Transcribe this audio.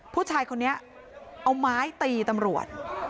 ผู้ชายคนนี้เอาไม้ตีตำรวจ